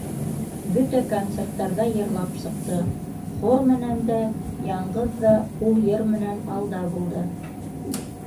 Бөтә концерттарҙа йырлап сыҡты, хор менән дә, яңғыҙ ҙа ул йыр менән алда булды.